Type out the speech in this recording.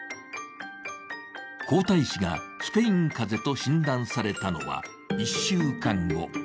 皇太子がスペイン風邪と診断されたのは、１週間後。